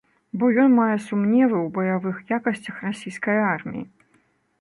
Бо ён мае сумневы ў баявых якасцях расійскай арміі.